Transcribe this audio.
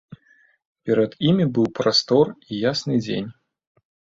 Перад імі быў прастор і ясны дзень.